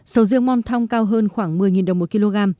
sầu riêng monthong cao hơn khoảng một mươi đồng một kg